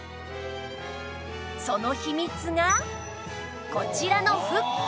その秘密がこちらのフック